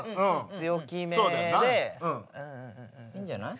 強気めでいいんじゃない？